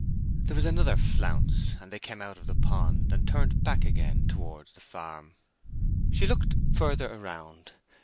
There was another flounce, and they came out of the pond, and turned back again towards the farm. She looked further around.